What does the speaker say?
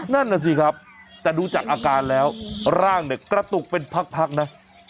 นั่นน่ะสิครับแต่ดูจากอาการแล้วร่างเนี่ยกระตุกเป็นพักนะ